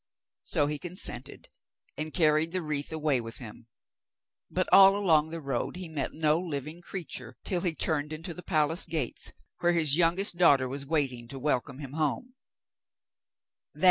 So he consented, and carried the wreath away with him. But all along the road he met no living creature till he turned into the palace gates, where his youngest daughter was waiting to welcome him home.